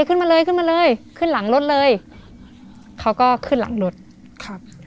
ขึ้นมาเลยขึ้นมาเลยขึ้นหลังรถเลยเขาก็ขึ้นหลังรถครับ